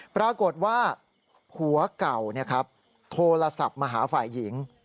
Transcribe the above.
ปรากฏว่าผัวก่อนี่ครับโทรศัพท์มาหาฝ่ายหญิง